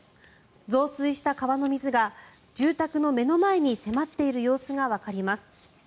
増水した川の水が住宅の目の前に迫っている様子がわかります。